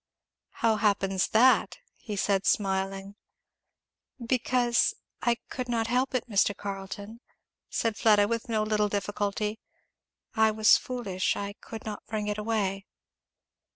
"How happens that?" said he smiling. "Because I could not help it, Mr. Carleton," said Fleda with no little difficulty; "I was foolish I could not bring it away."